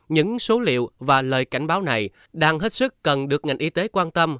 những số liệu và lời cảnh báo này đang hết sức cần được ngành y tế quan tâm